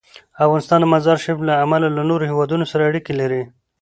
افغانستان د مزارشریف له امله له نورو هېوادونو سره اړیکې لري.